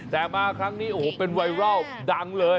แต่มาครั้งนี้โอ้โหเป็นไวรัลดังเลย